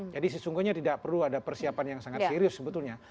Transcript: jadi sesungguhnya tidak perlu ada persiapan yang sangat serius sebetulnya